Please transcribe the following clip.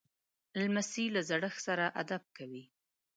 لمسی له زړښت سره ادب کوي.